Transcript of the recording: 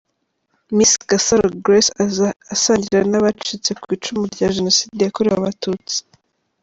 Miss Gasaro Grace asangira n'abacitse ku icumu rya Jenoside yakorewe Abatutsi.